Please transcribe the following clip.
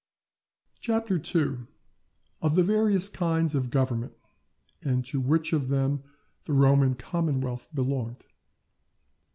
CHAPTER II.—Of the various kinds of Government; and to which of them the Roman Commonwealth belonged.